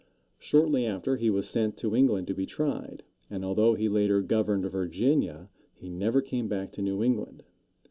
Shortly after, he was sent to England to be tried, and although he later governed Virginia, he never came back to New England.